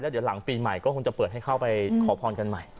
เดี๋ยวหลังปีใหม่ก็คงจะเปิดให้เข้าไปขอพรกันใหม่